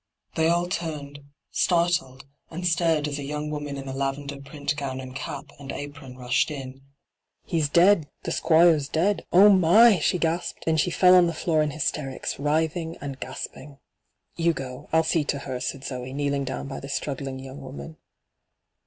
They all turned, startled, ENTRAPPED 25 and stared as a young woman in a lavender print gown and cap and apron rushed in. 'He's ded — the'Squoire's ded 1 Oh my I' she gasped ; then she fell on the floor in hysterics, writhing and gasping. ' You go—Ill see to her,' said Zoe, kneeling down by the struggling yonng woman.